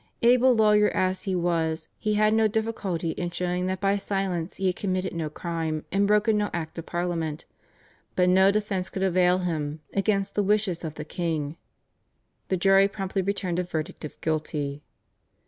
Able lawyer as he was, he had no difficulty in showing that by silence he had committed no crime and broken no Act of Parliament, but no defence could avail him against the wishes of the king. The jury promptly returned a verdict of guilty.